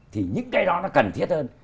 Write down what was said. thì những cái đó nó cần thiết hơn